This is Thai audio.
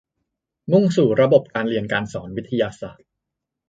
มุ่งสู่ระบบการเรียนการสอนวิทยาศาสตร์